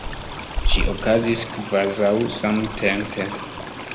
Ĝi okazis kvazaŭ samtempe.